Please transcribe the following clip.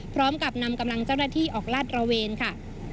พร้อมกับนำกำลังเจ้าหน้าที่ออกลาดระเวนค่ะ